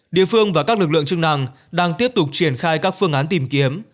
địa phương và các lực lượng chức năng đang tiếp tục triển khai các phương án tìm kiếm